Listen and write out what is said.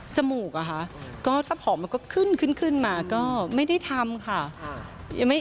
มูกอะค่ะก็ถ้าผอมมันก็ขึ้นขึ้นมาก็ไม่ได้ทำค่ะ